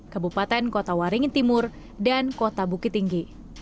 kabupaten kota waringin timur dan kota bukit tinggi